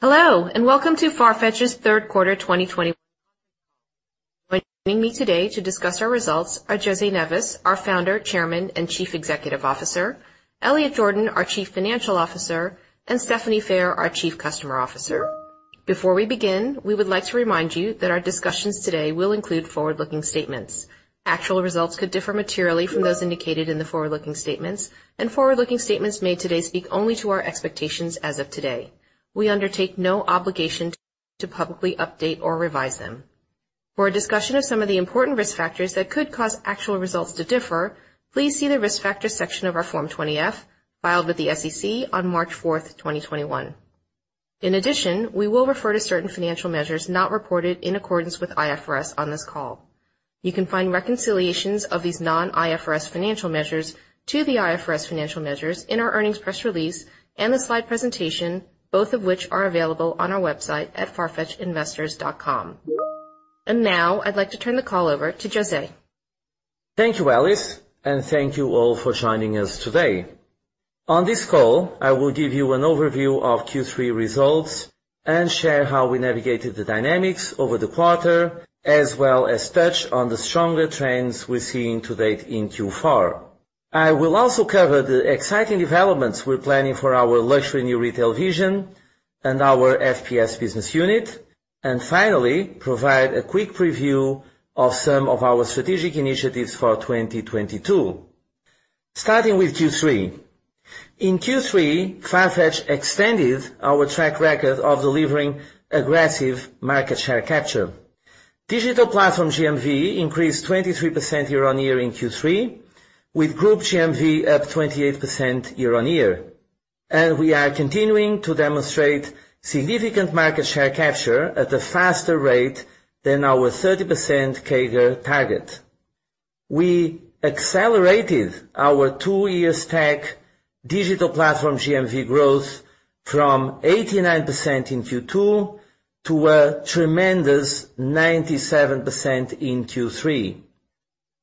Hello, and welcome to Farfetch's third quarter 2021 conference call. Joining me today to discuss our results are José Neves, our Founder, Chairman, and Chief Executive Officer, Elliot Jordan, our Chief Financial Officer, and Stephanie Phair, our Chief Customer Officer. Before we begin, we would like to remind you that our discussions today will include forward-looking statements. Actual results could differ materially from those indicated in the forward-looking statements, and forward-looking statements made today speak only to our expectations as of today. We undertake no obligation to publicly update or revise them. For a discussion of some of the important risk factors that could cause actual results to differ, please see the Risk Factors section of our Form 20-F, filed with the SEC on March 4, 2021. In addition, we will refer to certain financial measures not reported in accordance with IFRS on this call. You can find reconciliations of these non-IFRS financial measures to the IFRS financial measures in our earnings press release and the slide presentation, both of which are available on our website at farfetchinvestors.com. Now I'd like to turn the call over to José. Thank you, Alice, and thank you all for joining us today. On this call, I will give you an overview of Q3 results and share how we navigated the dynamics over the quarter, as well as touch on the stronger trends we're seeing to date in Q4. I will also cover the exciting developments we're planning for our luxury new retail vision and our FPS business unit, and finally, provide a quick preview of some of our strategic initiatives for 2022. Starting with Q3. In Q3, Farfetch extended our track record of delivering aggressive market share capture. Digital platform GMV increased 23% year-on-year in Q3, with group GMV up 28% year-on-year. We are continuing to demonstrate significant market share capture at a faster rate than our 30% CAGR target. We accelerated our two-year stack digital platform GMV growth from 89% in Q2 to a tremendous 97% in Q3.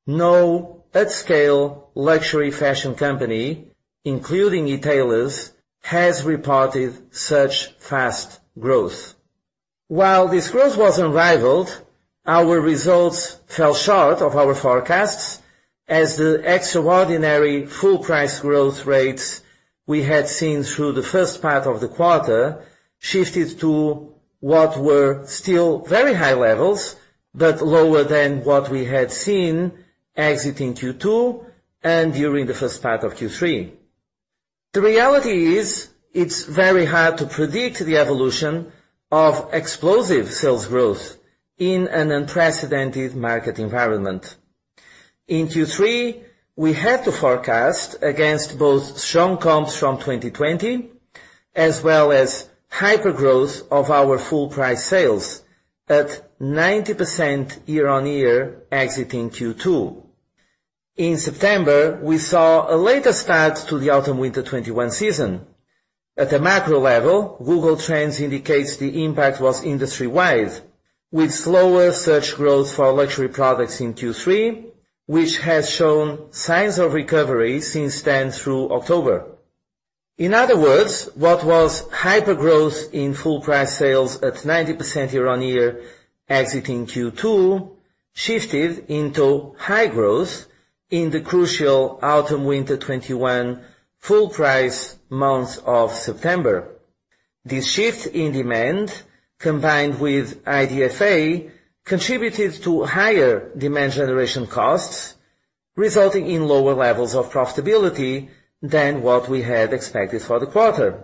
No at scale luxury fashion company, including e-tailers, has reported such fast growth. While this growth was unrivaled, our results fell short of our forecasts as the extraordinary full price growth rates we had seen through the first part of the quarter shifted to what were still very high levels, but lower than what we had seen exiting Q2 and during the first part of Q3. The reality is, it's very hard to predict the evolution of explosive sales growth in an unprecedented market environment. In Q3, we had to forecast against both strong comps from 2020, as well as hypergrowth of our full price sales at 90% year-on-year exiting Q2. In September, we saw a later start to the autumn/winter 2021 season. At a macro level, Google Trends indicates the impact was industry-wide, with slower search growth for luxury products in Q3, which has shown signs of recovery since then through October. In other words, what was hypergrowth in full price sales at 90% year-on-year exiting Q2, shifted into high growth in the crucial autumn/winter 2021 full price month of September. This shift in demand, combined with IDFA, contributed to higher demand generation costs, resulting in lower levels of profitability than what we had expected for the quarter.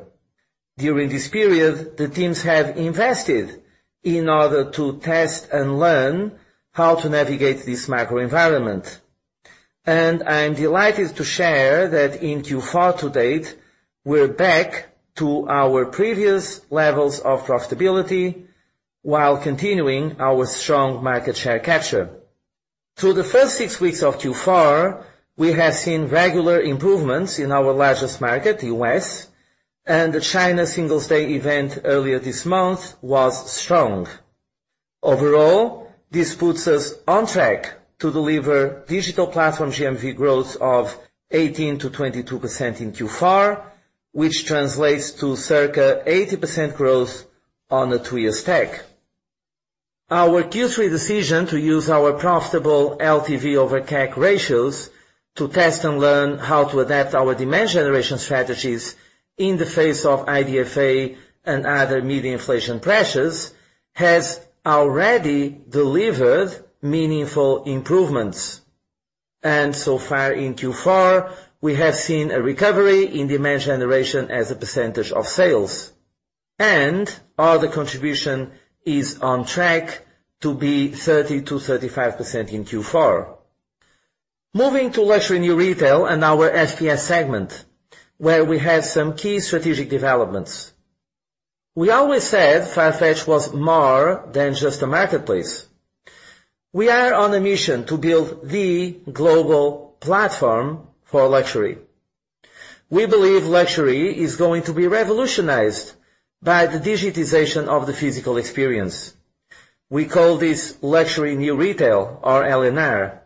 During this period, the teams have invested in order to test and learn how to navigate this macro environment. I'm delighted to share that in Q4 to date, we're back to our previous levels of profitability while continuing our strong market share capture. Through the first six weeks of Q4, we have seen regular improvements in our largest market, U.S., and the China Singles Day event earlier this month was strong. Overall, this puts us on track to deliver digital platform GMV growth of 18%-22% in Q4, which translates to circa 80% growth on a two-year stack. Our Q3 decision to use our profitable LTV over CAC ratios to test and learn how to adapt our demand generation strategies in the face of IDFA and other media inflation pressures has already delivered meaningful improvements. So far in Q4, we have seen a recovery in demand generation as a percentage of sales, and other contribution is on track to be 30%-35% in Q4. Moving to luxury new retail and our FPS segment, where we have some key strategic developments. We always said Farfetch was more than just a marketplace. We are on a mission to build the global platform for luxury. We believe luxury is going to be revolutionized by the digitization of the physical experience. We call this luxury new retail, or LNR.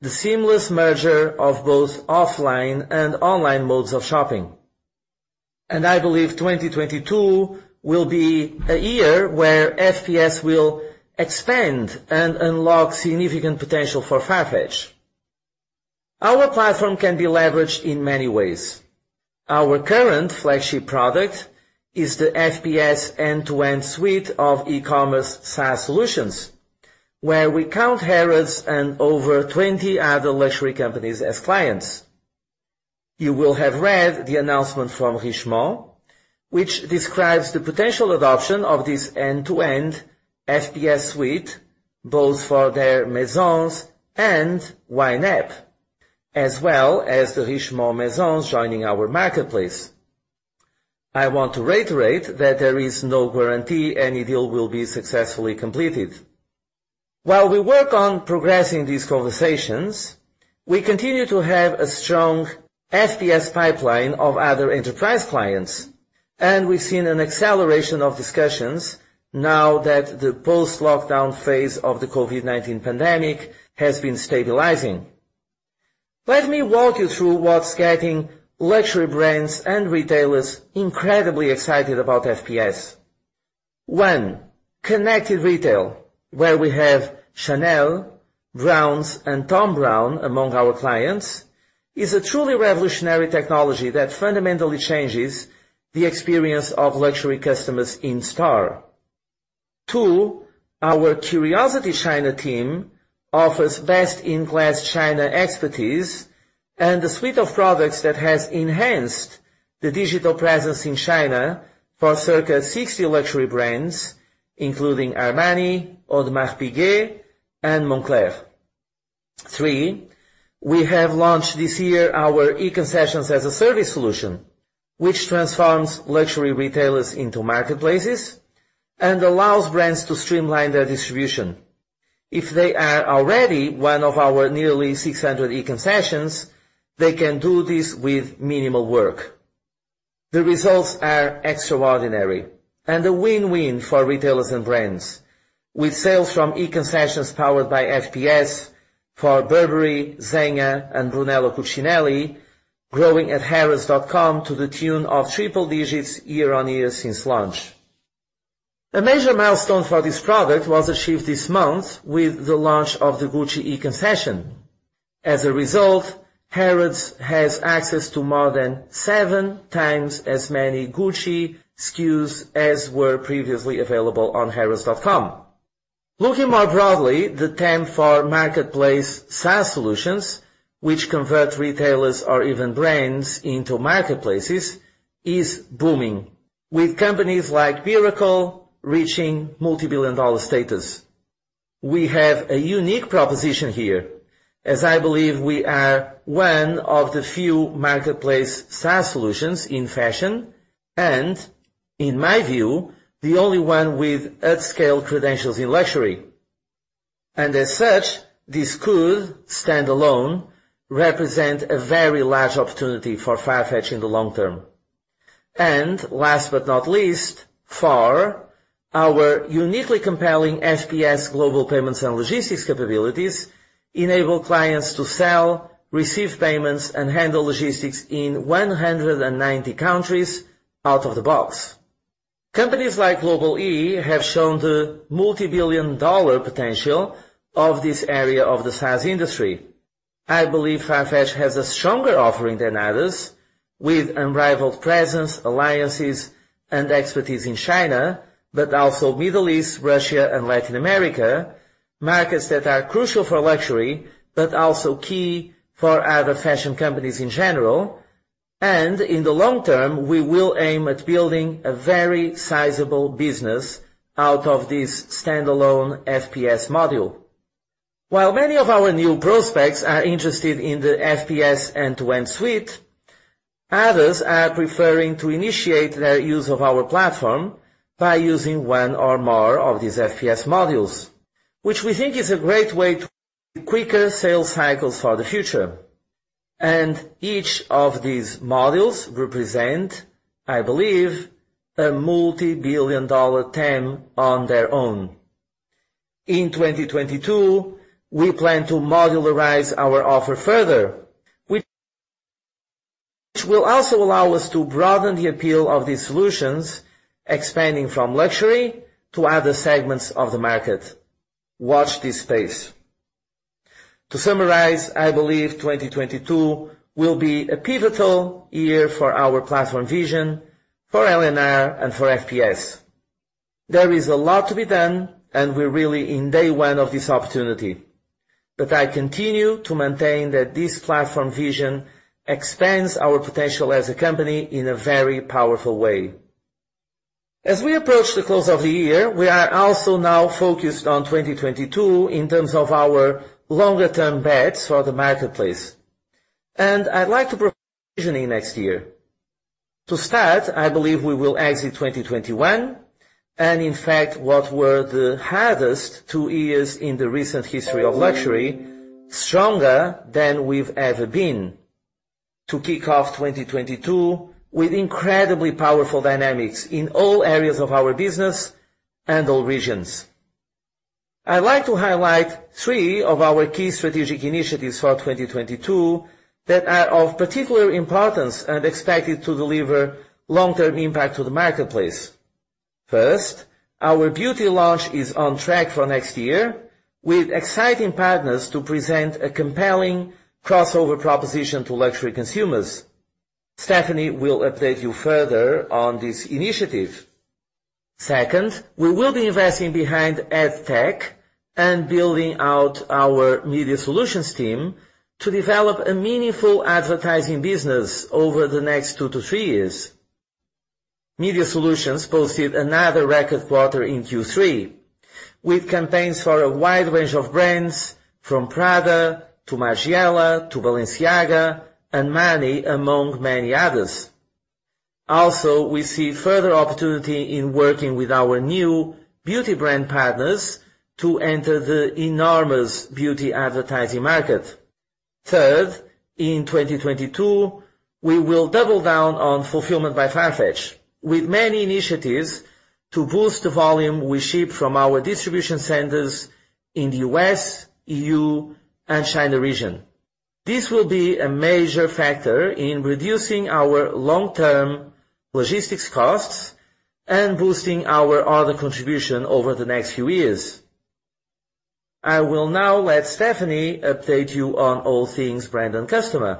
The seamless merger of both offline and online modes of shopping. I believe 2022 will be a year where FPS will expand and unlock significant potential for Farfetch. Our platform can be leveraged in many ways. Our current flagship product is the FPS end-to-end suite of e-commerce SaaS solutions, where we count Harrods and over 20 other luxury companies as clients. You will have read the announcement from Richemont, which describes the potential adoption of this end-to-end FPS suite, both for their Maisons and YNAP, as well as the Richemont Maisons joining our marketplace. I want to reiterate that there is no guarantee any deal will be successfully completed. While we work on progressing these conversations, we continue to have a strong FPS pipeline of other enterprise clients, and we've seen an acceleration of discussions now that the post-lockdown phase of the COVID-19 pandemic has been stabilizing. Let me walk you through what's getting luxury brands and retailers incredibly excited about FPS. One, connected retail, where we have Chanel, Browns, and Thom Browne among our clients, is a truly revolutionary technology that fundamentally changes the experience of luxury customers in store. Two, our CuriosityChina team offers best-in-class China expertise and a suite of products that has enhanced the digital presence in China for circa 60 luxury brands, including Armani, Audemars Piguet, and Moncler. Three, we have launched this year our e-concessions as a service solution, which transforms luxury retailers into marketplaces and allows brands to streamline their distribution. If they are already one of our nearly 600 e-concessions, they can do this with minimal work. The results are extraordinary and a win-win for retailers and brands, with sales from e-concessions powered by FPS for Burberry, Zegna, and Brunello Cucinelli growing at harrods.com to the tune of triple digits year-on-year since launch. A major milestone for this product was achieved this month with the launch of the Gucci e-concession. As a result, Harrods has access to more than seven times as many Gucci SKUs as were previously available on harrods.com. Looking more broadly, the TAM for marketplace SaaS solutions, which convert retailers or even brands into marketplaces, is booming, with companies like Mirakl reaching multi-billion-dollar status. We have a unique proposition here as I believe we are one of the few marketplace SaaS solutions in fashion and, in my view, the only one with at scale credentials in luxury. As such, this could stand alone, represent a very large opportunity for Farfetch in the long term. Last but not least, four, our uniquely compelling FPS global payments and logistics capabilities enable clients to sell, receive payments, and handle logistics in 190 countries out of the box. Companies like Global-e have shown the multi-billion-dollar potential of this area of the SaaS industry. I believe Farfetch has a stronger offering than others with unrivaled presence, alliances, and expertise in China, but also Middle East, Russia and Latin America, markets that are crucial for luxury but also key for other fashion companies in general. In the long term, we will aim at building a very sizable business out of this standalone FPS module. While many of our new prospects are interested in the FPS end-to-end suite, others are preferring to initiate their use of our platform by using one or more of these FPS modules, which we think is a great way to quicker sales cycles for the future. Each of these modules represent, I believe, a multi-billion-dollar TAM on their own. In 2022, we plan to modularize our offer further, which will also allow us to broaden the appeal of these solutions, expanding from luxury to other segments of the market. Watch this space. To summarize, I believe 2022 will be a pivotal year for our platform vision, for LNR and for FPS. There is a lot to be done and we're really in day one of this opportunity. I continue to maintain that this platform vision expands our potential as a company in a very powerful way. As we approach the close of the year, we are also now focused on 2022 in terms of our longer term bets for the marketplace. I'd like to provide visioning next year. To start, I believe we will exit 2021, and in fact, after what were the hardest two years in the recent history of luxury, stronger than we've ever been. To kick off 2022 with incredibly powerful dynamics in all areas of our business and all regions. I'd like to highlight three of our key strategic initiatives for 2022 that are of particular importance and expected to deliver long-term impact to the marketplace. First, our beauty launch is on track for next year with exciting partners to present a compelling crossover proposition to luxury consumers. Stephanie will update you further on this initiative. Second, we will be investing behind AdTech and building out our media solutions team to develop a meaningful advertising business over the next two to three years. Media Solutions posted another record quarter in Q3, with campaigns for a wide range of brands from Prada to Margiela to Balenciaga and Marni, among many others. Also, we see further opportunity in working with our new beauty brand partners to enter the enormous beauty advertising market. Third, in 2022, we will double down on fulfillment by Farfetch, with many initiatives to boost the volume we ship from our distribution centers in the U.S., EU, and China region. This will be a major factor in reducing our long-term logistics costs and boosting our order contribution over the next few years. I will now let Stephanie update you on all things brand and customer.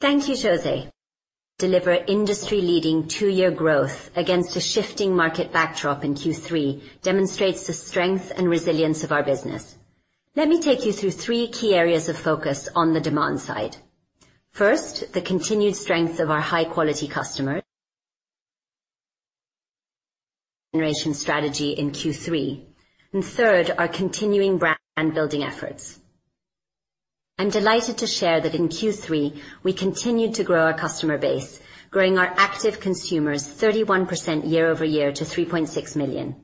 Thank you, José. Delivering industry-leading two-year growth against a shifting market backdrop in Q3 demonstrates the strength and resilience of our business. Let me take you through three key areas of focus on the demand side. First, the continued strength of our high-quality customers. Second, our customer generation strategy in Q3. Third, our continuing brand building efforts. I'm delighted to share that in Q3, we continued to grow our customer base, growing our active consumers 31% year over year to 3.6 million.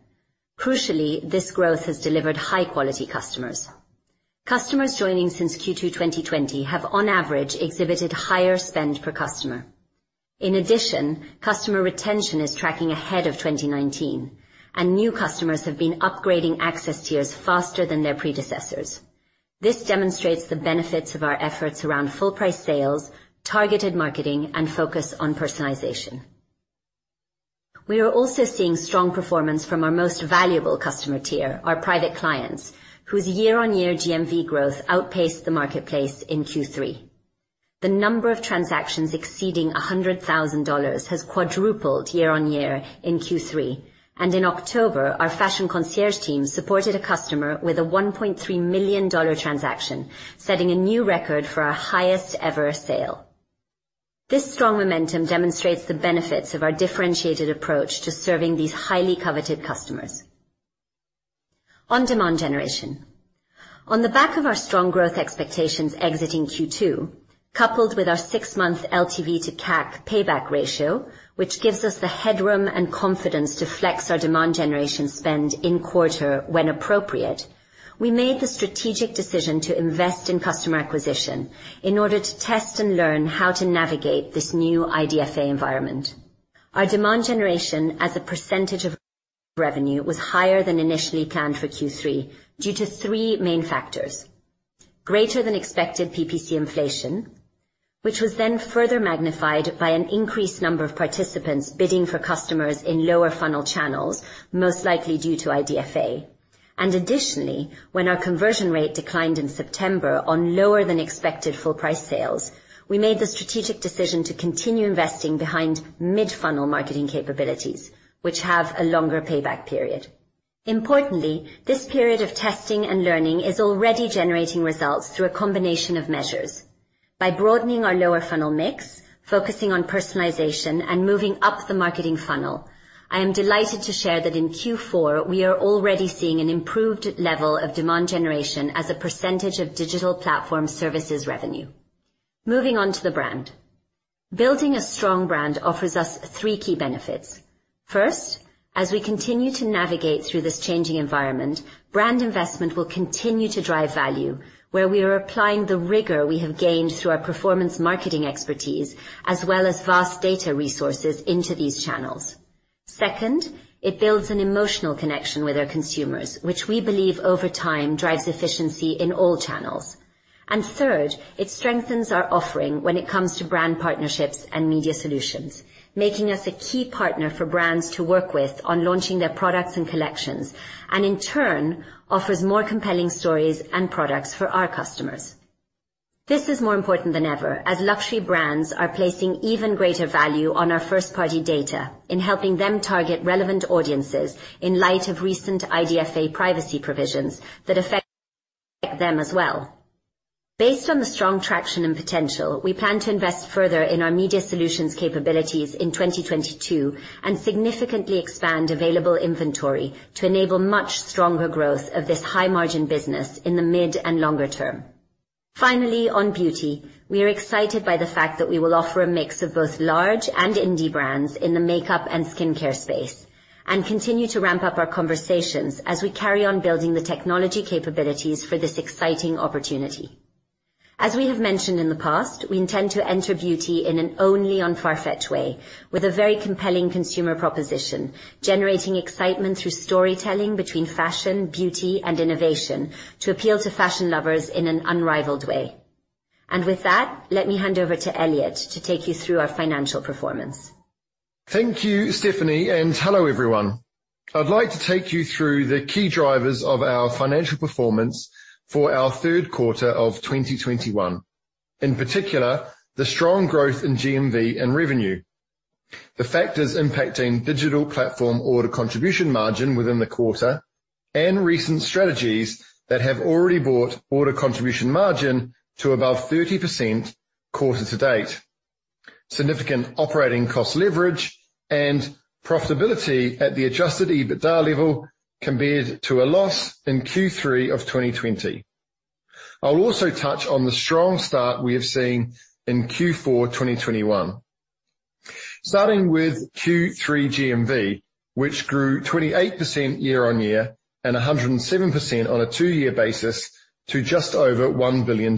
Crucially, this growth has delivered high-quality customers. Customers joining since Q2 2020 have on average exhibited higher spend per customer. In addition, customer retention is tracking ahead of 2019, and new customers have been upgrading access tiers faster than their predecessors. This demonstrates the benefits of our efforts around full price sales, targeted marketing, and focus on personalization. We are also seeing strong performance from our most valuable customer tier, our private clients, whose year-on-year GMV growth outpaced the marketplace in Q3. The number of transactions exceeding $100,000 has quadrupled year on year in Q3. In October, our fashion concierge team supported a customer with a $1.3 million transaction, setting a new record for our highest ever sale. This strong momentum demonstrates the benefits of our differentiated approach to serving these highly coveted customers. On-demand generation. On the back of our strong growth expectations exiting Q2, coupled with our six-month LTV to CAC payback ratio, which gives us the headroom and confidence to flex our demand generation spend in quarter when appropriate, we made the strategic decision to invest in customer acquisition in order to test and learn how to navigate this new IDFA environment. Our demand generation as a percentage of revenue was higher than initially planned for Q3 due to three main factors: greater than expected PPC inflation, which was then further magnified by an increased number of participants bidding for customers in lower funnel channels, most likely due to IDFA. Additionally, when our conversion rate declined in September on lower than expected full price sales, we made the strategic decision to continue investing behind mid-funnel marketing capabilities, which have a longer payback period. Importantly, this period of testing and learning is already generating results through a combination of measures. By broadening our lower funnel mix, focusing on personalization, and moving up the marketing funnel, I am delighted to share that in Q4, we are already seeing an improved level of demand generation as a percentage of digital platform services revenue. Moving on to the brand. Building a strong brand offers us three key benefits. First, as we continue to navigate through this changing environment, brand investment will continue to drive value where we are applying the rigor we have gained through our performance marketing expertise as well as vast data resources into these channels. Second, it builds an emotional connection with our consumers, which we believe over time drives efficiency in all channels. Third, it strengthens our offering when it comes to brand partnerships and media solutions, making us a key partner for brands to work with on launching their products and collections, and in turn, offers more compelling stories and products for our customers. This is more important than ever as luxury brands are placing even greater value on our first-party data in helping them target relevant audiences in light of recent IDFA privacy provisions that affect them as well. Based on the strong traction and potential, we plan to invest further in our media solutions capabilities in 2022 and significantly expand available inventory to enable much stronger growth of this high margin business in the mid and longer term. Finally, on beauty, we are excited by the fact that we will offer a mix of both large and indie brands in the makeup and skincare space and continue to ramp up our conversations as we carry on building the technology capabilities for this exciting opportunity. As we have mentioned in the past, we intend to enter beauty in an only on Farfetch way, with a very compelling consumer proposition, generating excitement through storytelling between fashion, beauty and innovation to appeal to fashion lovers in an unrivaled way. With that, let me hand over to Elliot to take you through our financial performance. Thank you, Stephanie, and hello, everyone. I'd like to take you through the key drivers of our financial performance for our third quarter of 2021. In particular, the strong growth in GMV and revenue. The factors impacting digital platform order contribution margin within the quarter, and recent strategies that have already brought order contribution margin to above 30% quarter to date. Significant operating cost leverage and profitability at the adjusted EBITDA level compared to a loss in Q3 of 2020. I'll also touch on the strong start we have seen in Q4 2021. Starting with Q3 GMV, which grew 28% year-on-year and 107% on a two-year basis to just over $1 billion.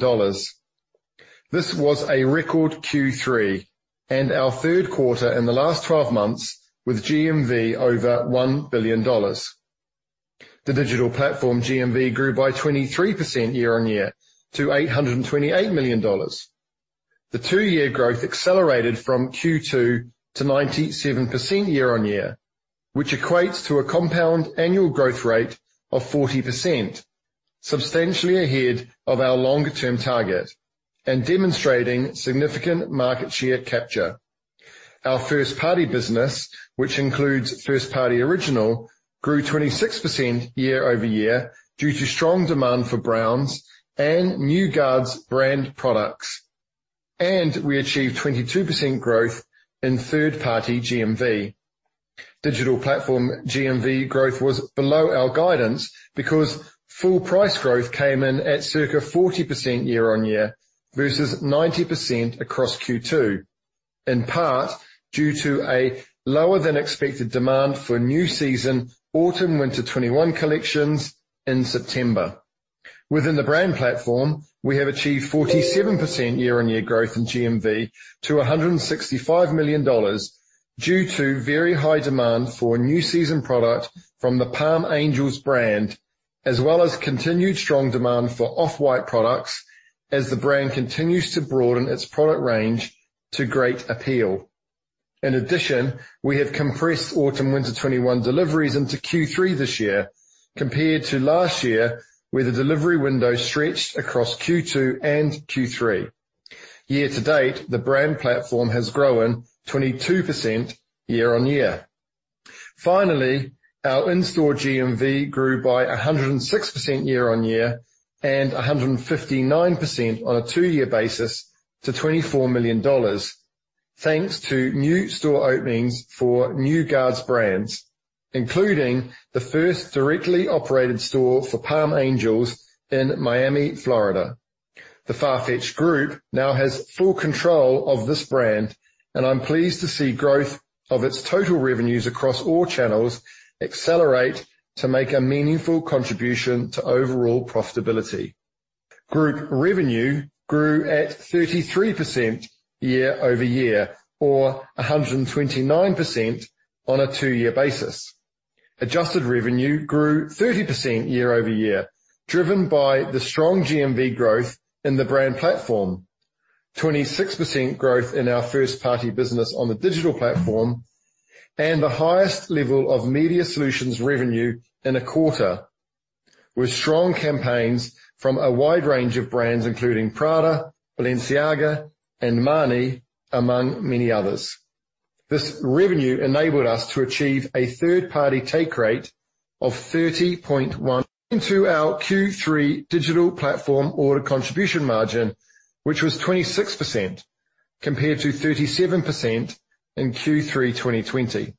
This was a record Q3 and our third quarter in the last 12 months with GMV over $1 billion. The digital platform GMV grew by 23% year-over-year to $828 million. The two-year growth accelerated from Q2 to 97% year-over-year, which equates to a compound annual growth rate of 40%, substantially ahead of our longer-term target and demonstrating significant market share capture. Our first party business, which includes first party original, grew 26% year-over-year due to strong demand for brands and New Guards brand products. We achieved 22% growth in third-party GMV. Digital platform GMV growth was below our guidance because full price growth came in at circa 40% year-over-year versus 90% across Q2, in part due to a lower than expected demand for new season autumn/winter 2021 collections in September. Within the brand platform, we have achieved 47% year-on-year growth in GMV to $165 million due to very high demand for new season product from the Palm Angels brand, as well as continued strong demand for Off-White products as the brand continues to broaden its product range to great appeal. In addition, we have compressed autumn/winter 2021 deliveries into Q3 this year compared to last year, where the delivery window stretched across Q2 and Q3. Year-to-date, the brand platform has grown 22% year-on-year. Finally, our in-store GMV grew by 106% year-on-year and 159% on a two-year basis to $24 million, thanks to new store openings for New Guards brands, including the first directly operated store for Palm Angels in Miami, Florida. The Farfetch Group now has full control of this brand, and I'm pleased to see growth of its total revenues across all channels accelerate to make a meaningful contribution to overall profitability. Group revenue grew at 33% year-over-year or 129% on a two-year basis. Adjusted revenue grew 30% year-over-year, driven by the strong GMV growth in the brand platform, 26% growth in our first party business on the digital platform, and the highest level of media solutions revenue in a quarter with strong campaigns from a wide range of brands including Prada, Balenciaga, and Marni, among many others. This revenue enabled us to achieve a third-party take rate of 30.1% into our Q3 digital platform order contribution margin, which was 26% compared to 37% in Q3 2020.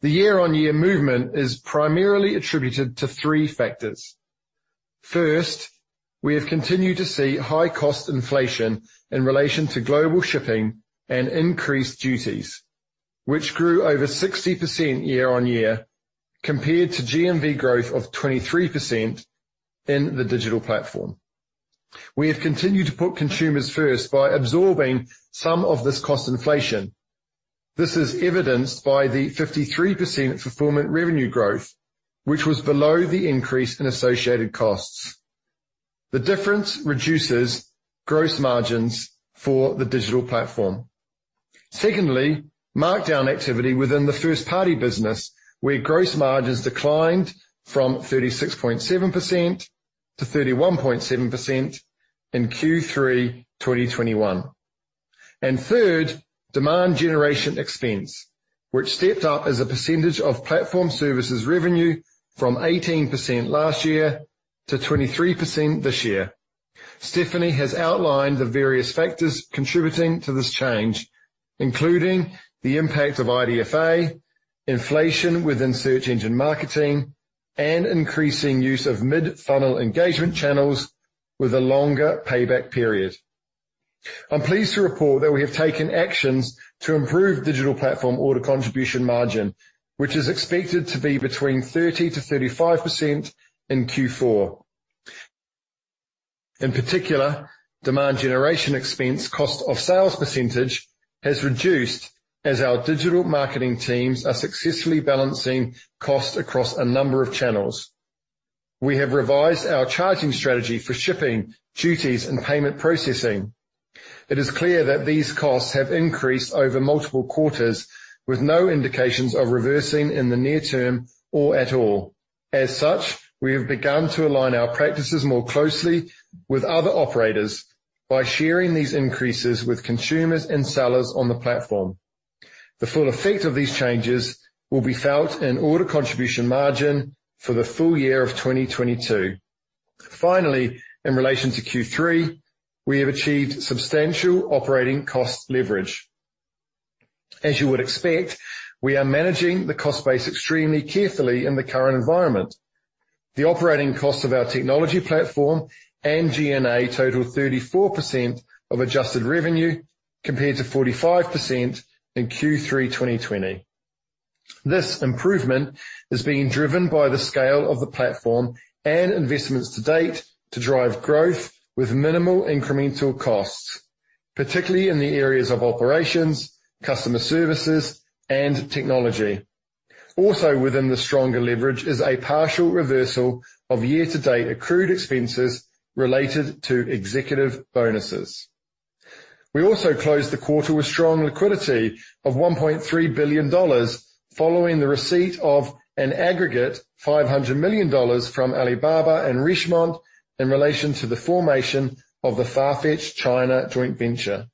The year-on-year movement is primarily attributed to three factors. First, we have continued to see high cost inflation in relation to global shipping and increased duties, which grew over 60% year-on-year compared to GMV growth of 23% in the digital platform. We have continued to put consumers first by absorbing some of this cost inflation. This is evidenced by the 53% fulfillment revenue growth, which was below the increase in associated costs. The difference reduces gross margins for the digital platform. Secondly, markdown activity within the first party business, where gross margins declined from 36.7% to 31.7% in Q3 2021. Third, demand generation expense, which stepped up as a percentage of platform services revenue from 18% last year to 23% this year. Stephanie has outlined the various factors contributing to this change, including the impact of IDFA, inflation within search engine marketing, and increasing use of mid-funnel engagement channels with a longer payback period. I'm pleased to report that we have taken actions to improve digital platform order contribution margin, which is expected to be between 30%-35% in Q4. In particular, demand generation expense cost of sales percentage has reduced as our digital marketing teams are successfully balancing costs across a number of channels. We have revised our charging strategy for shipping, duties, and payment processing. It is clear that these costs have increased over multiple quarters with no indications of reversing in the near term or at all. As such, we have begun to align our practices more closely with other operators by sharing these increases with consumers and sellers on the platform. The full effect of these changes will be felt in order contribution margin for the full-year of 2022. Finally, in relation to Q3, we have achieved substantial operating cost leverage. As you would expect, we are managing the cost base extremely carefully in the current environment. The operating cost of our technology platform and G&A total 34% of adjusted revenue compared to 45% in Q3 2020. This improvement is being driven by the scale of the platform and investments to date to drive growth with minimal incremental costs, particularly in the areas of operations, customer services, and technology. Also within the stronger leverage is a partial reversal of year-to-date accrued expenses related to executive bonuses. We also closed the quarter with strong liquidity of $1.3 billion following the receipt of an aggregate $500 million from Alibaba and Richemont in relation to the formation of the Farfetch China joint venture.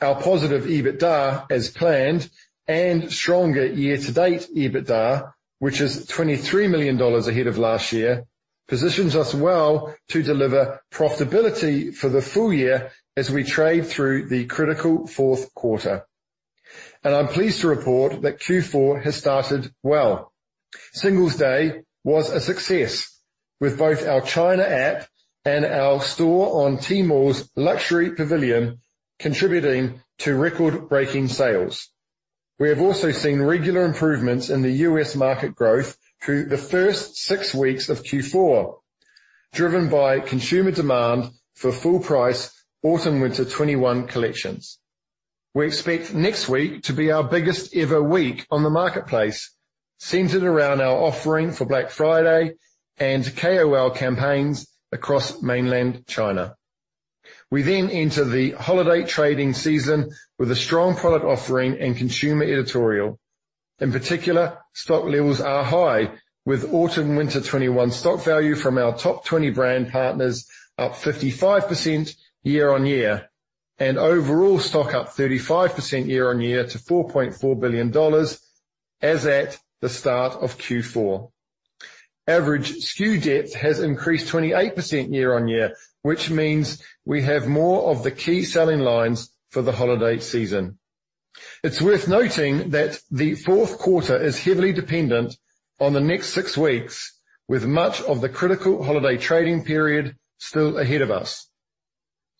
Our positive EBITDA as planned and stronger year-to-date EBITDA, which is $23 million ahead of last year, positions us well to deliver profitability for the full-year as we trade through the critical fourth quarter. I'm pleased to report that Q4 has started well. Singles Day was a success with both our China app and our store on Tmall's Luxury Pavilion contributing to record-breaking sales. We have also seen regular improvements in the U.S. market growth through the first six weeks of Q4, driven by consumer demand for full price autumn/winter 2021 collections. We expect next week to be our biggest ever week on the marketplace, centered around our offering for Black Friday and KOL campaigns across mainland China. We then enter the holiday trading season with a strong product offering and consumer editorial. In particular, stock levels are high with autumn/winter 2021 stock value from our top 20 brand partners up 55% year-on-year. Overall stock up 35% year-on-year to $4.4 billion as at the start of Q4. Average SKU depth has increased 28% year-on-year, which means we have more of the key selling lines for the holiday season. It's worth noting that the fourth quarter is heavily dependent on the next six weeks, with much of the critical holiday trading period still ahead of us.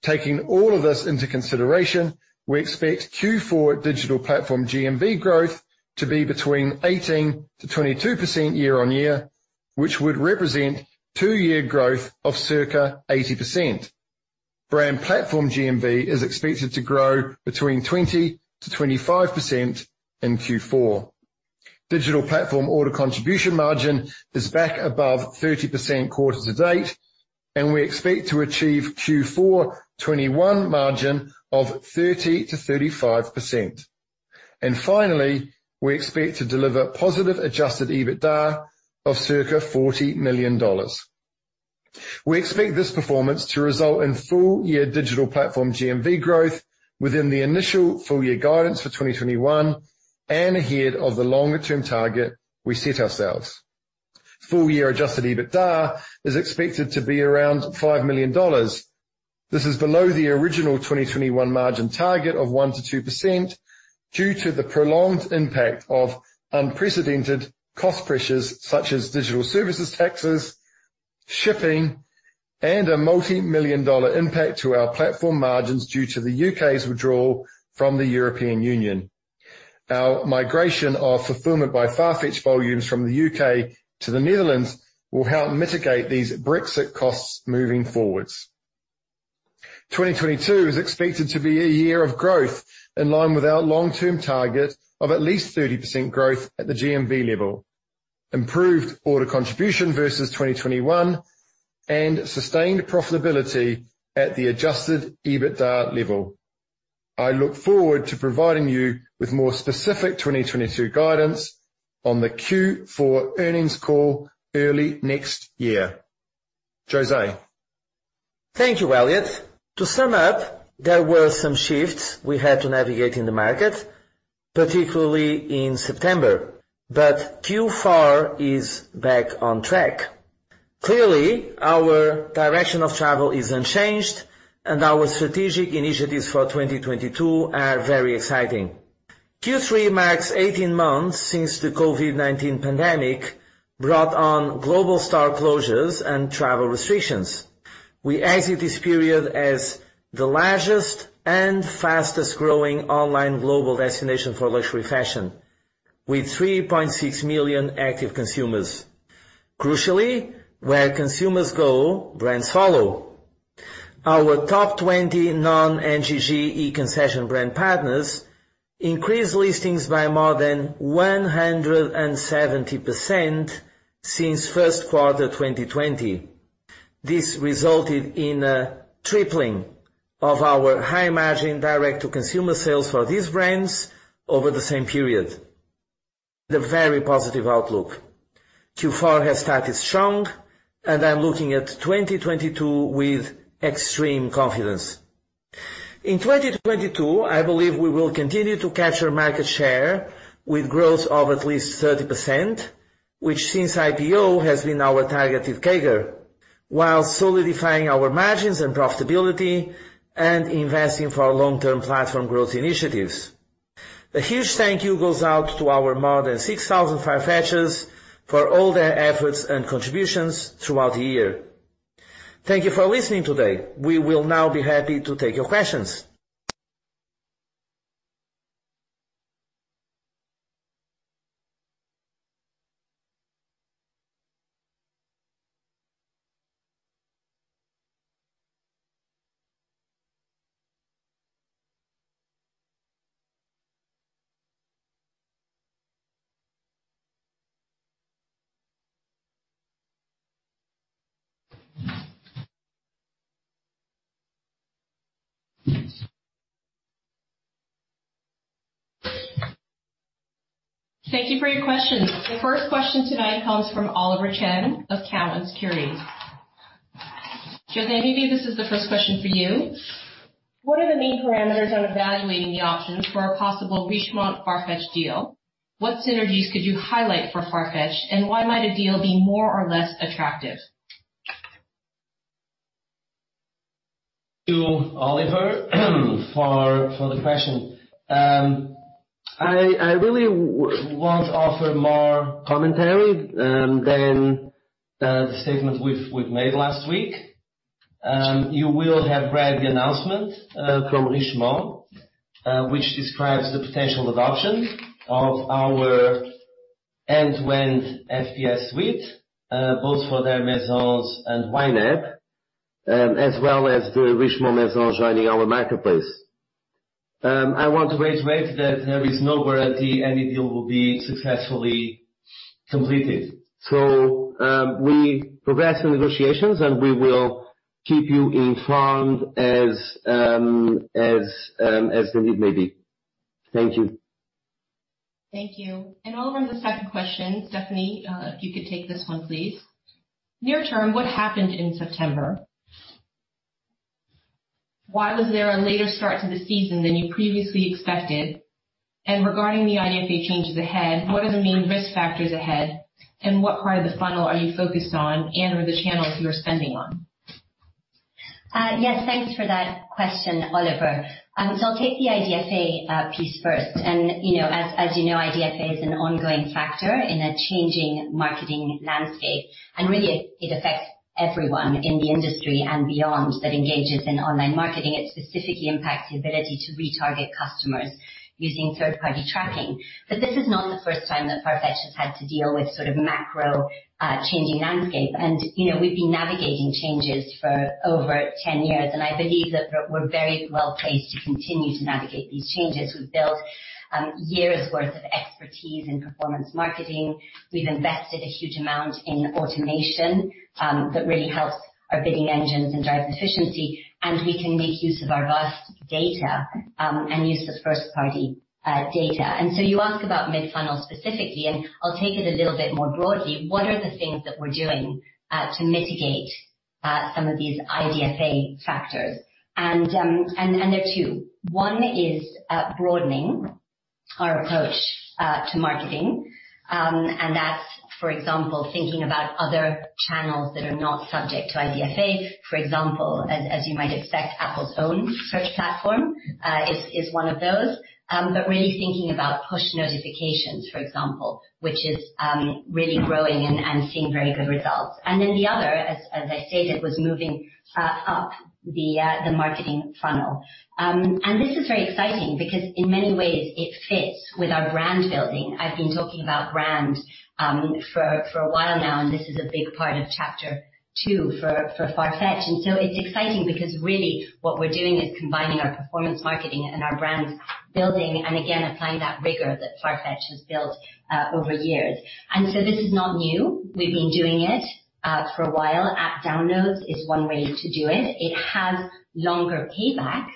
Taking all of this into consideration, we expect Q4 digital platform GMV growth to be between 18%-22% year-on-year, which would represent two-year growth of circa 80%. Brand platform GMV is expected to grow between 20%-25% in Q4. Digital platform order contribution margin is back above 30% quarter to date, and we expect to achieve Q4 2021 margin of 30%-35%. Finally, we expect to deliver positive adjusted EBITDA of circa $40 million. We expect this performance to result in full-year digital platform GMV growth within the initial full-year guidance for 2021 and ahead of the longer-term target we set ourselves. Full-year adjusted EBITDA is expected to be around $5 million. This is below the original 2021 margin target of 1%-2% due to the prolonged impact of unprecedented cost pressures such as digital services taxes, shipping, and a multimillion-dollar impact to our platform margins due to the U.K.'s withdrawal from the European Union. Our migration of fulfillment by Farfetch volumes from the U.K. to the Netherlands will help mitigate these Brexit costs moving forward. 2022 is expected to be a year of growth in line with our long-term target of at least 30% growth at the GMV level, improved order contribution versus 2021, and sustained profitability at the adjusted EBITDA level. I look forward to providing you with more specific 2022 guidance on the Q4 earnings call early next year. José. Thank you, Elliot. To sum up, there were some shifts we had to navigate in the market, particularly in September, but Q4 is back on track. Clearly, our direction of travel is unchanged and our strategic initiatives for 2022 are very exciting. Q3 marks 18 months since the COVID-19 pandemic brought on global store closures and travel restrictions. We exit this period as the largest and fastest growing online global destination for luxury fashion, with 3.6 million active consumers. Crucially, where consumers go, brands follow. Our top 20 non-NGG e-concessions brand partners increased listings by more than 170% since first quarter 2020. This resulted in a tripling of our high margin direct to consumer sales for these brands over the same period. The very positive outlook. Q4 has started strong and I'm looking at 2022 with extreme confidence. In 2022, I believe we will continue to capture market share with growth of at least 30%, which since IPO has been our targeted CAGR, while solidifying our margins and profitability and investing for our long-term platform growth initiatives. A huge thank you goes out to our more than 6,000 Farfetchers for all their efforts and contributions throughout the year. Thank you for listening today. We will now be happy to take your questions. Thank you for your questions. The first question tonight comes from Oliver Chen of Cowen Securities. José, this is the first question for you. What are the main parameters on evaluating the options for a possible Richemont Farfetch deal? What synergies could you highlight for Farfetch and why might a deal be more or less attractive? To Oliver for the question. I really won't offer more commentary than the statement we've made last week. You will have read the announcement from Richemont, which describes the potential adoption of our end-to-end FPS suite, both for their Maisons and YNAP, as well as the Richemont Maison joining our marketplace. I want to reiterate that there is no guarantee any deal will be successfully completed. We progress the negotiations, and we will keep you informed as the need may be. Thank you. Thank you. Oliver, the second question, Stephanie, if you could take this one please. Near term, what happened in September? Why was there a later start to the season than you previously expected? And regarding the IDFA changes ahead, what are the main risk factors ahead and what part of the funnel are you focused on and/or the channels you are spending on? Yes, thanks for that question, Oliver. I'll take the IDFA piece first. You know, as you know, IDFA is an ongoing factor in a changing marketing landscape, and really it affects everyone in the industry and beyond that engages in online marketing. It specifically impacts the ability to retarget customers using third-party tracking. This is not the first time that Farfetch has had to deal with sort of macro changing landscape. You know, we've been navigating changes for over 10 years, and I believe that we're very well placed to continue to navigate these changes. We've built years worth of expertise in performance marketing. We've invested a huge amount in automation that really helps our bidding engines and drives efficiency. We can make use of our vast data and use the first-party data. You ask about mid-funnel specifically, and I'll take it a little bit more broadly. What are the things that we're doing to mitigate some of these IDFA factors? There are two. One is broadening our approach to marketing. That's for example, thinking about other channels that are not subject to IDFA. For example, as you might expect, Apple's own search platform is one of those. But really thinking about push notifications for example, which is really growing and seeing very good results. The other, as I stated, was moving up the marketing funnel. This is very exciting because in many ways it fits with our brand building. I've been talking about brand for a while now, and this is a big part of chapter two for Farfetch. It's exciting because really what we're doing is combining our performance marketing and our brand building and again, applying that rigor that Farfetch has built over years. This is not new. We've been doing it for a while. App downloads is one way to do it. It has longer payback,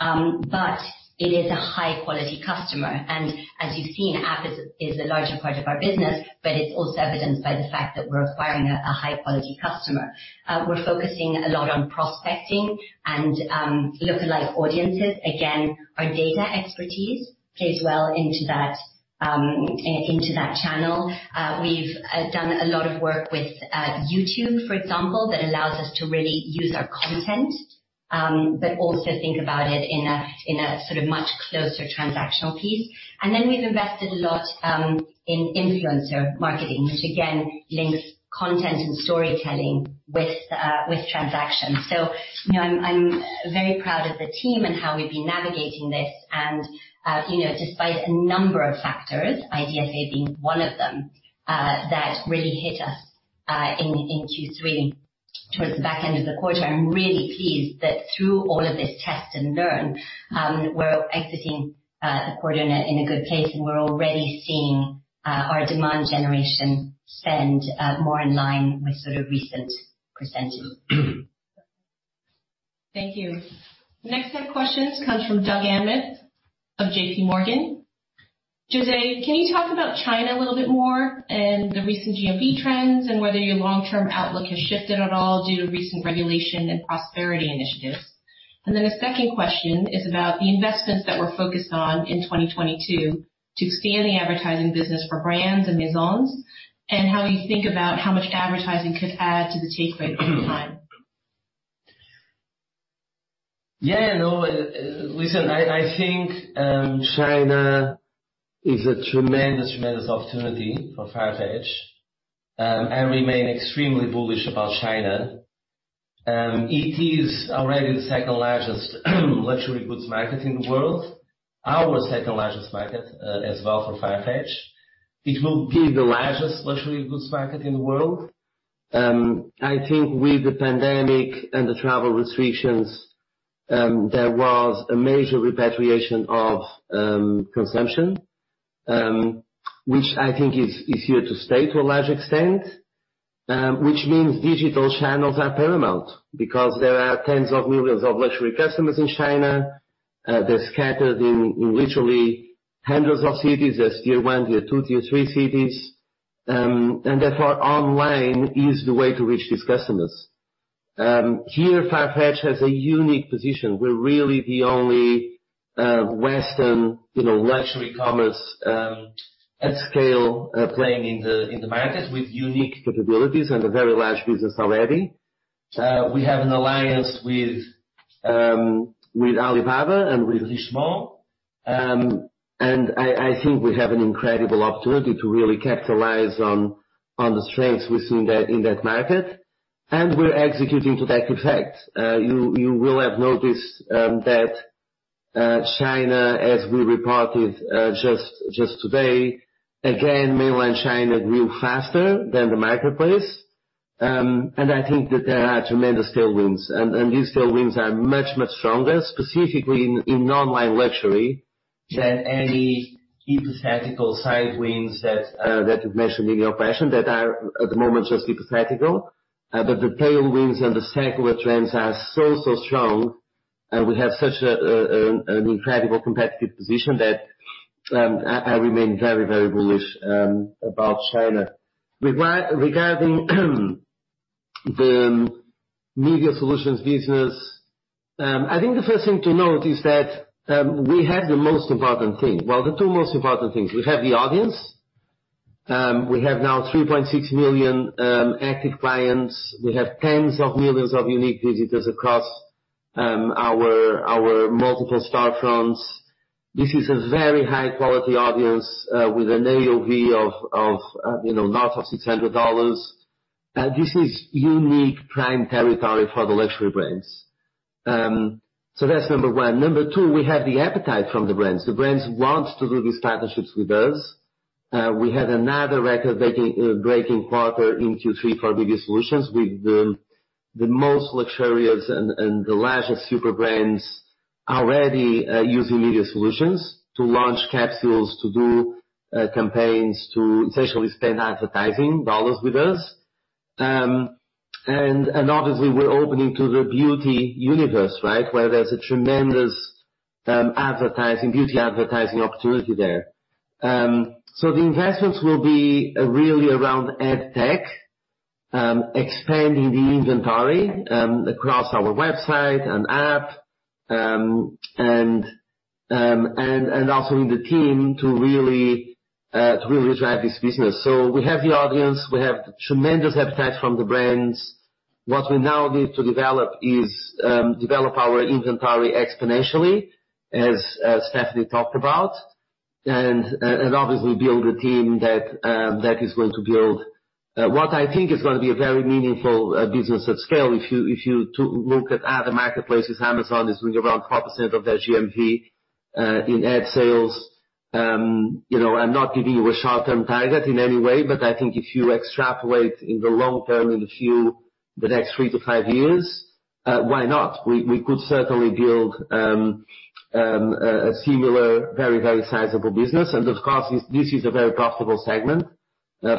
but it is a high quality customer. As you've seen, app is a larger part of our business, but it's also evidenced by the fact that we're acquiring a high quality customer. We're focusing a lot on prospecting and lookalike audiences. Again, our data expertise plays well into that channel. We've done a lot of work with YouTube, for example, that allows us to really use our content, but also think about it in a sort of much closer transactional piece. We've invested a lot in influencer marketing, which again links content and storytelling with transactions. You know, I'm very proud of the team and how we've been navigating this. You know, despite a number of factors, IDFA being one of them, that really hit us in Q3 towards the back end of the quarter. I'm really pleased that through all of this test and learn, we're exiting the quarter in a good place, and we're already seeing our demand generation spend more in line with sort of recent percentages. Thank you. The next set of questions comes from Doug Anmuth of JPMorgan. José, can you talk about China a little bit more and the recent GMV trends, and whether your long-term outlook has shifted at all due to recent regulation and prosperity initiatives? A second question is about the investments that we're focused on in 2022 to expand the advertising business for brands and maisons, and how you think about how much advertising could add to the take rate over time. Yeah, I know. Listen, I think China is a tremendous opportunity for Farfetch and remain extremely bullish about China. It is already the second largest luxury goods market in the world. Our second largest market as well for Farfetch. It will be the largest luxury goods market in the world. I think with the pandemic and the travel restrictions there was a major repatriation of consumption which I think is here to stay to a large extent. Which means digital channels are paramount because there are tens of millions of luxury customers in China. They're scattered in literally hundreds of cities as tier one, tier two, tier three cities. And therefore online is the way to reach these customers. Here, Farfetch has a unique position. We're really the only Western, you know, luxury commerce at scale playing in the market with unique capabilities and a very large business already. We have an alliance with Alibaba and with Richemont. I think we have an incredible opportunity to really capitalize on the strengths we see in that market. We're executing to that effect. You will have noticed that China, as we reported, just today, again, mainland China grew faster than the marketplace. I think that there are tremendous tailwinds. These tailwinds are much stronger, specifically in online luxury than any hypothetical side winds that you've mentioned in your question that are at the moment just hypothetical. The tailwinds and the secular trends are so strong, and we have such an incredible competitive position that I remain very bullish about China. Regarding the media solutions business, I think the first thing to note is that we have the most important thing. Well, the two most important things. We have the audience. We have now 3.6 million active clients. We have tens of millions of unique visitors across our multiple storefronts. This is a very high quality audience with an AOV of you know north of $600. This is unique prime territory for the luxury brands. That's number one. Number two, we have the appetite from the brands. The brands want to do these partnerships with us. We had another record-breaking quarter in Q3 for media solutions with the most luxurious and the largest super brands already using media solutions to launch capsules, to do campaigns, to essentially spend advertising dollars with us. Obviously we're opening to the beauty universe, right? Where there's a tremendous beauty advertising opportunity there. The investments will be really around ad tech, expanding the inventory across our website and app, and also in the team to really drive this business. We have the audience, we have tremendous appetite from the brands. What we now need to develop is our inventory exponentially, as Stephanie talked about, and obviously build a team that is going to build what I think is gonna be a very meaningful business at scale. If you look at other marketplaces, Amazon is doing around 4% of their GMV in ad sales. You know, I'm not giving you a short-term target in any way, but I think if you extrapolate in the long term, the next three to five years, why not? We could certainly build a similar very sizable business. Of course, this is a very profitable segment,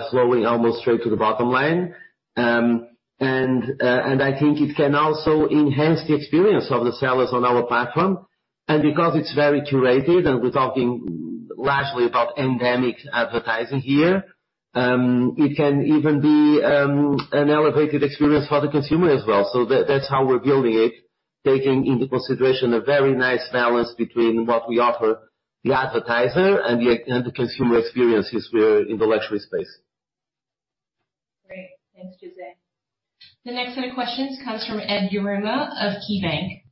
flowing almost straight to the bottom line. I think it can also enhance the experience of the sellers on our platform. Because it's very curated and we're talking largely about endemic advertising here, it can even be an elevated experience for the consumer as well. That's how we're building it, taking into consideration a very nice balance between what we offer the advertiser and the consumer experiences where in the luxury space. Great. Thanks, José. The next set of questions comes from Ed Yruma of KeyBanc.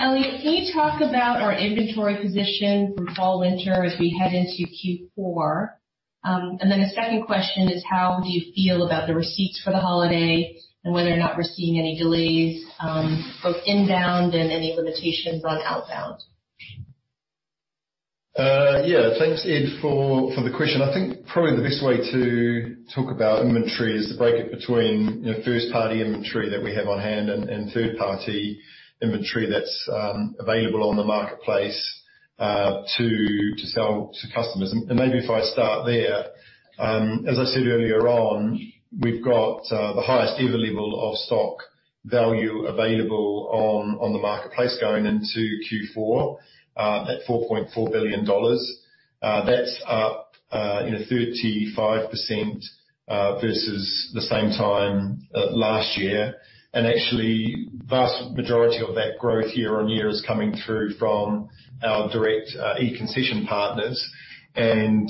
Elliot, can you talk about our inventory position from fall winter as we head into Q4? A second question is, how do you feel about the receipts for the holiday and whether or not we're seeing any delays, both inbound and any limitations on outbound? Thanks, Ed, for the question. I think probably the best way to talk about inventory is to break it between, you know, first party inventory that we have on hand and third party inventory that's available on the marketplace to sell to customers. Maybe if I start there. As I said earlier on, we've got the highest ever level of stock value available on the marketplace going into Q4 at $4.4 billion. That's up, you know, 35% versus the same time last year. Actually, vast majority of that growth year-on-year is coming through from our direct e-concessions partners. You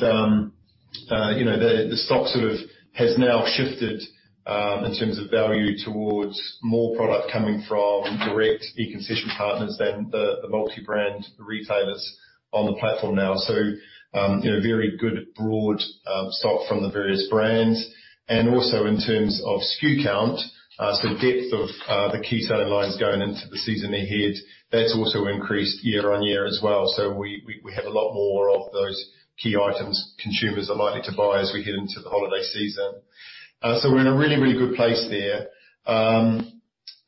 know, the stock sort of has now shifted in terms of value towards more product coming from direct e-concessions partners than the multi-brand retailers on the platform now. You know, very good broad stock from the various brands. Also in terms of SKU count, depth of the key styles going into the season ahead, that's also increased year-over-year as well. We have a lot more of those key items consumers are likely to buy as we head into the holiday season. We're in a really good place there.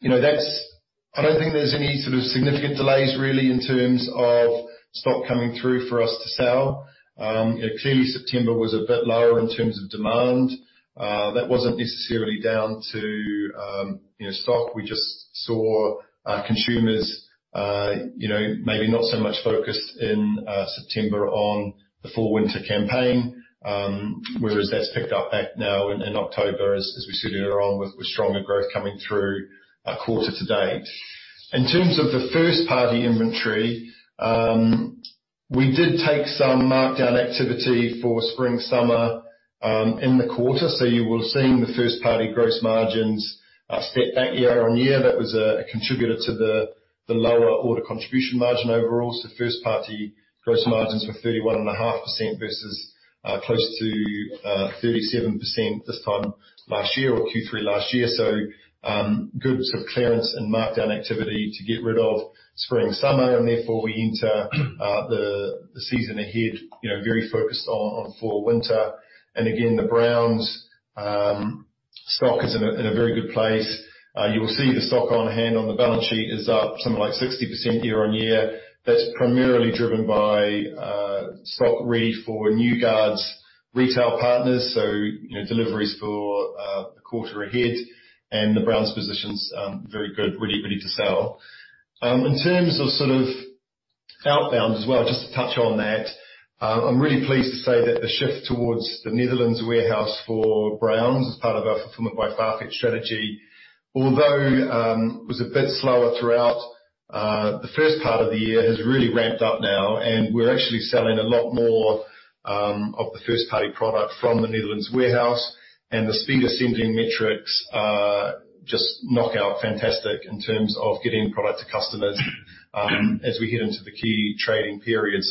You know, I don't think there's any sort of significant delays really in terms of stock coming through for us to sell. You know, clearly September was a bit lower in terms of demand. That wasn't necessarily down to, you know, stock. We just saw our consumers, you know, maybe not so much focused in September on the fall winter campaign, whereas that's picked up back now in October, as we said earlier on, with stronger growth coming through our quarter to date. In terms of the first party inventory, we did take some markdown activity for spring summer in the quarter. So you will have seen the first party gross margins step back year-on-year. That was a contributor to the lower order contribution margin overall. So first party gross margins were 31.5% versus close to 37% this time last year or Q3 last year. Good sort of clearance and markdown activity to get rid of spring summer, and therefore we enter the season ahead, you know, very focused on fall winter. Again, the Browns stock is in a very good place. You will see the stock on hand on the balance sheet is up something like 60% year-on-year. That's primarily driven by stock received for New Guards' retail partners, so, you know, deliveries for the quarter ahead and the Browns' position's very good, really ready to sell. In terms of sort of outbound as well, just to touch on that, I'm really pleased to say that the shift towards the Netherlands warehouse for Browns as part of our fulfillment by Farfetch strategy, although was a bit slower throughout the first part of the year, has really ramped up now, and we're actually selling a lot more of the first-party product from the Netherlands warehouse. The speed of sending metrics are just knockout fantastic in terms of getting product to customers, as we head into the key trading period.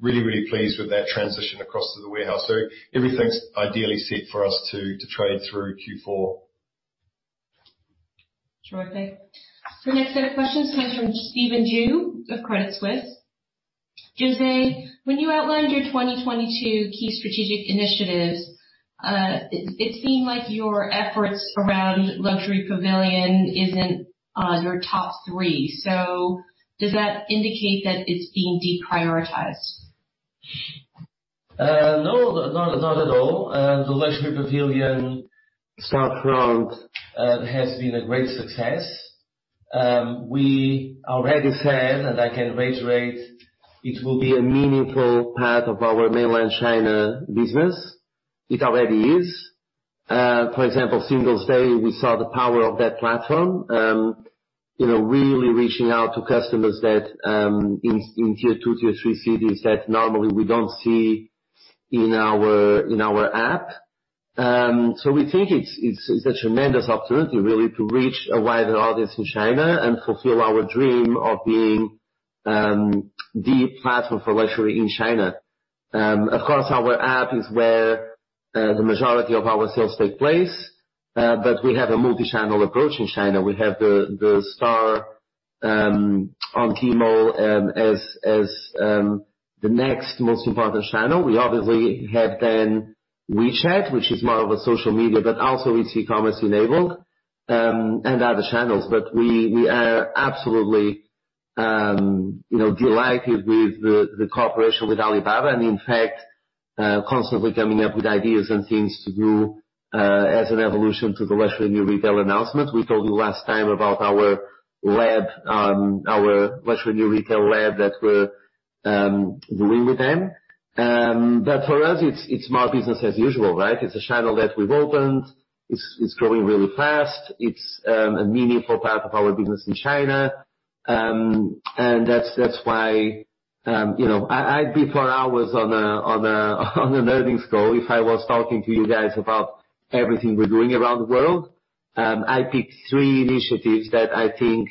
Really, really pleased with that transition across to the warehouse. Everything's ideally set for us to trade through Q4. Sure thing. The next set of questions comes from Stephen Ju of Credit Suisse. José, when you outlined your 2022 key strategic initiatives, it seemed like your efforts around Luxury Pavilion isn't your top three. Does that indicate that it's being deprioritized? No, not at all. The Luxury Pavilion storefront has been a great success. We already said, and I can reiterate, it will be a meaningful part of our mainland China business. It already is. For example, Singles Day, we saw the power of that platform, you know, really reaching out to customers that in Tier 2, Tier 3 cities that normally we don't see in our app. We think it's a tremendous opportunity really to reach a wider audience in China and fulfill our dream of being the platform for luxury in China. Of course, our app is where the majority of our sales take place, but we have a multi-channel approach in China. We have the store on Tmall as the next most important channel. We obviously have then WeChat, which is more of a social media, but also it's e-commerce enabled, and other channels. We are absolutely, you know, delighted with the cooperation with Alibaba, and in fact, constantly coming up with ideas and things to do, as an evolution to the luxury new retail announcement. We told you last time about our lab, our luxury new retail lab that we're doing with them. For us it's more business as usual, right? It's a channel that we've opened. It's growing really fast. It's a meaningful part of our business in China. That's why, you know, I'd be for hours on an earnings call if I was talking to you guys about everything we're doing around the world. I picked three initiatives that I think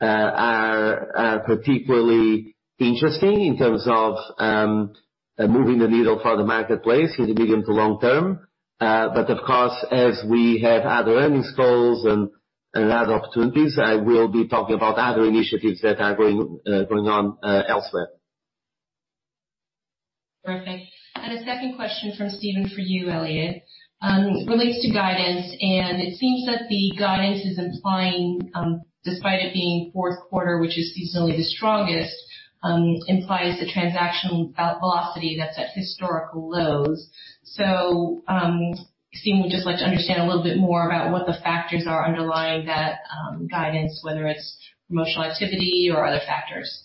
are particularly interesting in terms of moving the needle for the marketplace in the medium to long term. Of course, as we have other earnings calls and other opportunities, I will be talking about other initiatives that are going on elsewhere. Perfect. A second question from Stephen for you, Elliot, relates to guidance, and it seems that the guidance is implying, despite it being fourth quarter, which is seasonally the strongest, implies the transactional velocity that's at historical lows. Stephen would just like to understand a little bit more about what the factors are underlying that guidance, whether it's promotional activity or other factors.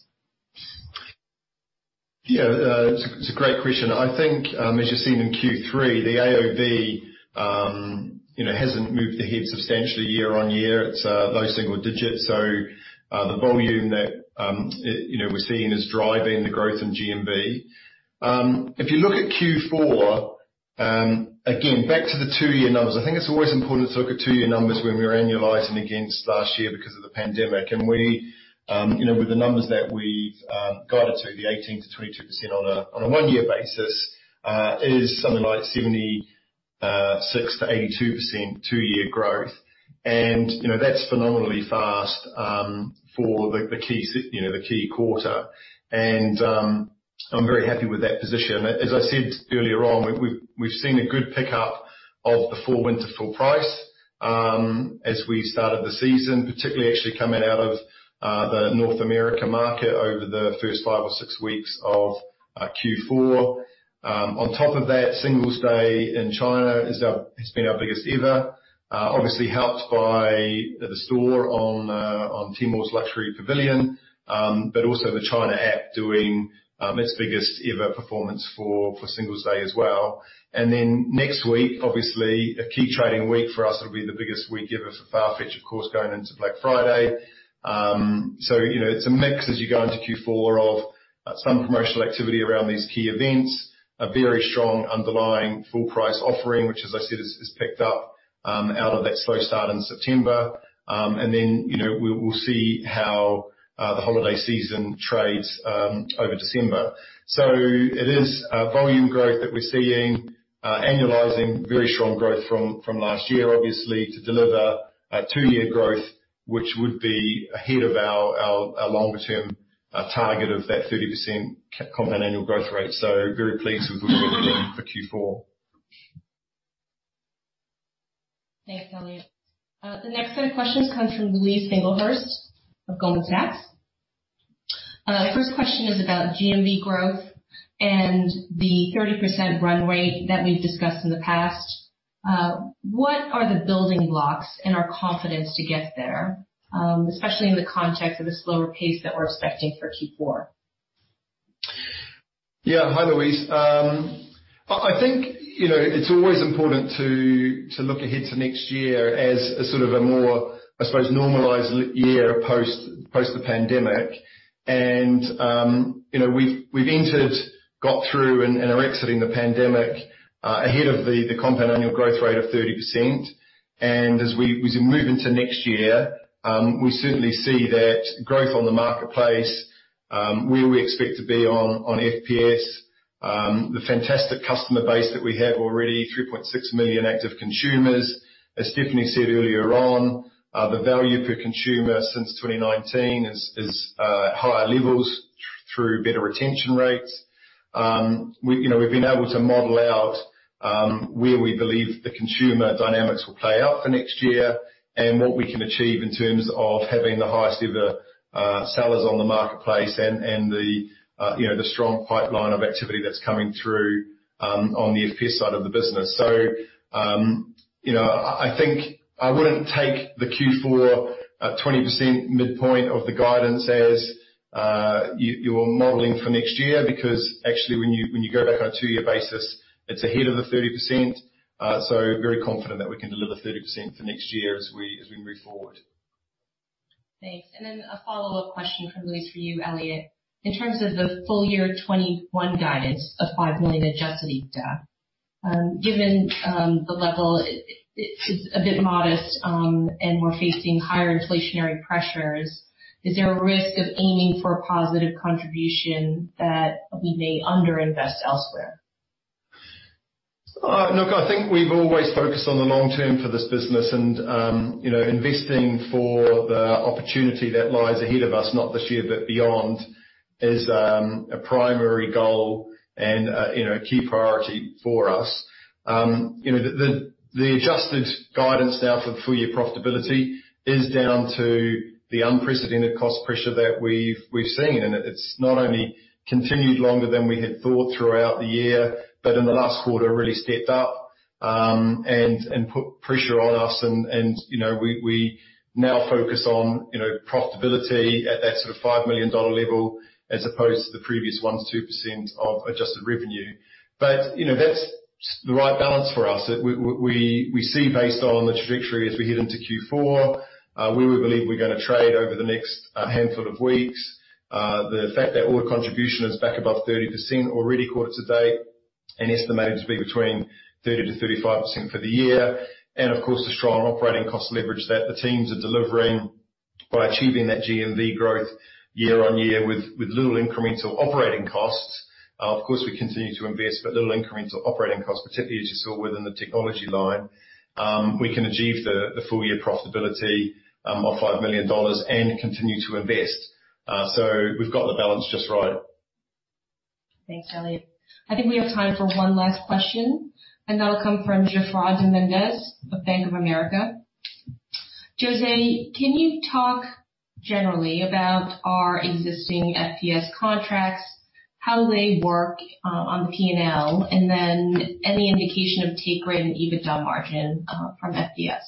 It's a great question. I think, as you've seen in Q3, the AOV, you know, hasn't moved the needle substantially year-on-year. It's low single digits. The volume that we're seeing is driving the growth in GMV. If you look at Q4, again, back to the two-year numbers, I think it's always important to look at two-year numbers when we're annualizing against last year because of the pandemic. We, you know, with the numbers that we've guided to, the 18%-22% on a one-year basis is something like 76%-82% two-year growth. You know, that's phenomenally fast for the key quarter. I'm very happy with that position. As I said earlier on, we've seen a good pickup of the full winter full price, as we started the season, particularly actually coming out of the North America market over the first five or six weeks of Q4. On top of that, Singles Day in China has been our biggest ever, obviously helped by the store on Tmall's Luxury Pavilion, but also the China app doing its biggest ever performance for Singles Day as well. Then next week, obviously a key trading week for us. It'll be the biggest week ever for Farfetch, of course, going into Black Friday. You know, it's a mix as you go into Q4 of some promotional activity around these key events, a very strong underlying full price offering, which as I said, is picked up out of that slow start in September. You know, we'll see how the holiday season trades over December. It is volume growth that we're seeing, annualizing very strong growth from last year, obviously, to deliver a two-year growth, which would be ahead of our longer term target of that 30% compound annual growth rate. Very pleased with where we are heading for Q4. Thanks, Elliot. The next set of questions comes from Louise Singlehurst of Goldman Sachs. The first question is about GMV growth and the 30% runway that we've discussed in the past. What are the building blocks in our confidence to get there, especially in the context of the slower pace that we're expecting for Q4? Yeah. Hi, Louise. I think, you know, it's always important to look ahead to next year as a sort of a more, I suppose, normalized year post the pandemic. You know, we've entered, got through, and are exiting the pandemic ahead of the compound annual growth rate of 30%. As we move into next year, we certainly see that growth on the marketplace, where we expect to be on FPS. The fantastic customer base that we have already, 3.6 million active consumers. As Stephanie said earlier on, the value per consumer since 2019 is at higher levels through better retention rates. We, you know, we've been able to model out where we believe the consumer dynamics will play out for next year and what we can achieve in terms of having the highest ever sellers on the marketplace and the strong pipeline of activity that's coming through on the FPS side of the business. You know, I think I wouldn't take the Q4 20% midpoint of the guidance as your modeling for next year, because actually when you go back on a two-year basis, it's ahead of the 30%. Very confident that we can deliver 30% for next year as we move forward. Thanks. A follow-up question from Louise for you, Elliot. In terms of the full-year 2021 guidance of $5 million adjusted EBITDA, given the level, it's a bit modest, and we're facing higher inflationary pressures, is there a risk of aiming for a positive contribution that we may under-invest elsewhere? Look, I think we've always focused on the long term for this business and, you know, investing for the opportunity that lies ahead of us, not this year, but beyond, is a primary goal and, you know, a key priority for us. You know, the adjusted guidance now for full-year profitability is down to the unprecedented cost pressure that we've seen, and it's not only continued longer than we had thought throughout the year, but in the last quarter really stepped up, and put pressure on us and, you know, we now focus on, you know, profitability at that sort of $5 million level as opposed to the previous 1%-2% of adjusted revenue. You know, that's the right balance for us. We see based on the trajectory as we head into Q4, where we believe we're gonna trade over the next handful of weeks. The fact that order contribution is back above 30% already quarter to date and estimated to be between 30%-35% for the year. Of course, the strong operating cost leverage that the teams are delivering by achieving that GMV growth year-on-year with little incremental operating costs. We continue to invest, but little incremental operating costs, particularly as you saw within the technology line. We can achieve the full-year profitability of $5 million and continue to invest. We've got the balance just right. Thanks, Elliot. I think we have time for one last question, and that will come from Geoffroy de Mendez of Bank of America. José, can you talk generally about our existing FPS contracts, how they work on the P&L and then any indication of take rate and EBITDA margin from FPS?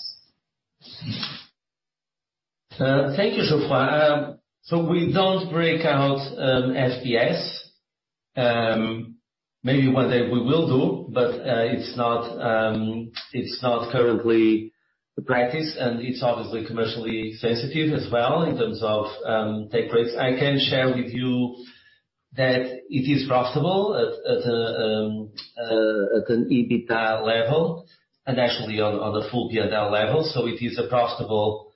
Thank you, Geoffroy. We don't break out FPS. Maybe one day we will do, but it's not currently the practice, and it's obviously commercially sensitive as well in terms of take rates. I can share with you that it is profitable at an EBITDA level and actually on a full P&L level. It is a profitable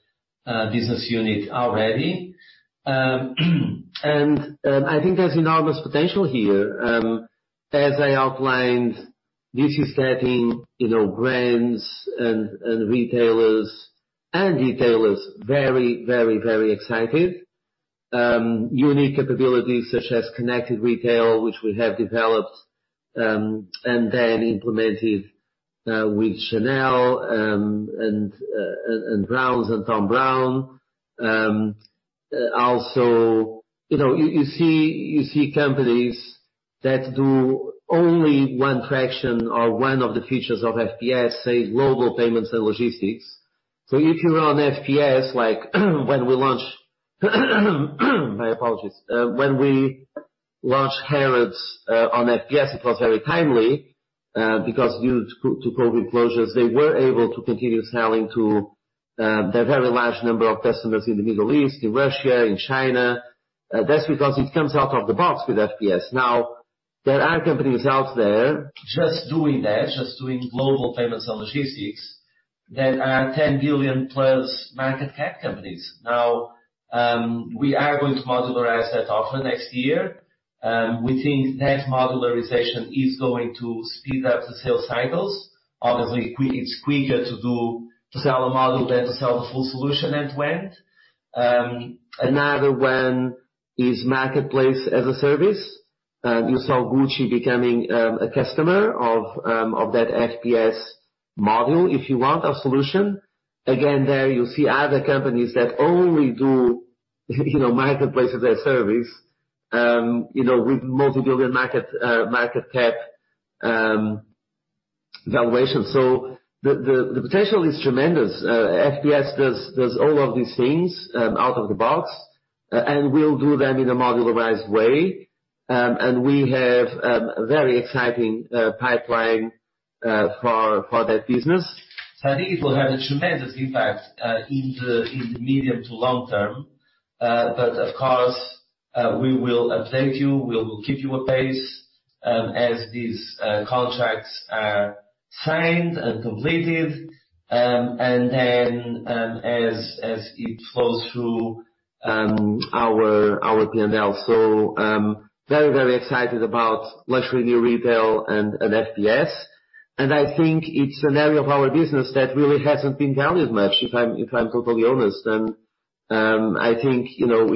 business unit already. I think there's enormous potential here. As I outlined, this is setting, you know, brands and retailers very, very, very excited. Unique capabilities such as connected retail, which we have developed and then implemented with Chanel, and Browns and Thom Browne. Also, you know, you see companies that do only one fraction or one of the features of FPS, say global payments and logistics. If you run FPS, like when we launched Harrods on FPS, it was very timely because due to COVID closures, they were able to continue selling to their very large number of customers in the Middle East, in Russia, in China. That's because it comes out of the box with FPS. Now, there are companies out there just doing that, just doing global payments and logistics that are $10 billion-plus market cap companies. Now, we are going to modularize that offer next year. We think that modularization is going to speed up the sales cycles. Obviously, it's quicker to do, to sell a module than to sell the full solution end to end. Another one is marketplace as a service. You saw Gucci becoming a customer of that FPS module, if you want a solution. Again, there you see other companies that only do, you know, marketplace as a service, you know, with multi-billion market cap valuation. The potential is tremendous. FPS does all of these things out of the box, and we'll do them in a modularized way. We have very exciting pipeline for that business. I think it will have a tremendous impact in the medium to long term. Of course, we will update you, we will keep you apace as these contracts are signed and completed, then, as it flows through our P&L. Very excited about luxury new retail and FPS. I think it's an area of our business that really hasn't been valued much, if I'm totally honest. I think, you know,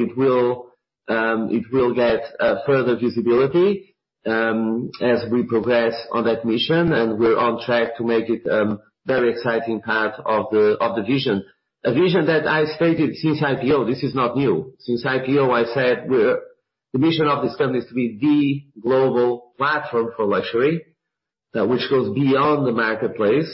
it will get further visibility as we progress on that mission. We're on track to make it very exciting part of the vision. A vision that I stated since IPO, this is not new. Since IPO, I said the mission of this company is to be the global platform for luxury, which goes beyond the marketplace.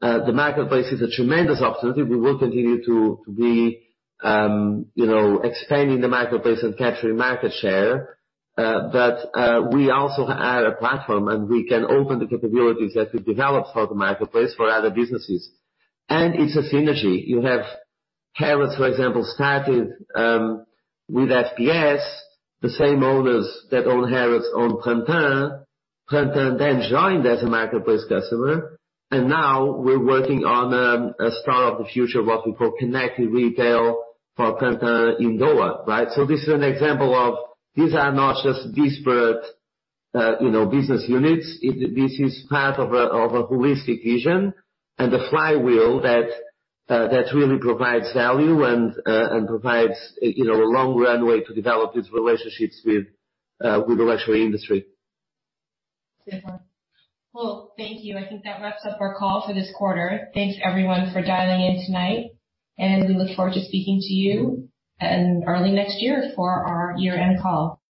The marketplace is a tremendous opportunity. We will continue to be, you know, expanding the marketplace and capturing market share. We also are a platform, and we can open the capabilities that we developed for the marketplace for other businesses. It's a synergy. You have Harrods, for example, started with FPS. The same owners that own Harrods own Printemps. Printemps then joined as a marketplace customer. Now we're working on a store of the future, what we call connected retail for Printemps in-store, right? This is an example of these are not just disparate, you know, business units. This is part of a holistic vision and the flywheel that really provides value and provides, you know, a long runway to develop these relationships with the luxury industry. Well, thank you. I think that wraps up our call for this quarter. Thanks everyone for dialing in tonight, and we look forward to speaking to you in early next year for our year-end call.